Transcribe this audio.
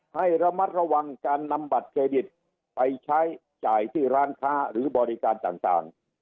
ให้ระมัดระวังการนำบัตรเครดิตไปใช้จ่ายที่ร้านค้าหรือบริการต่าง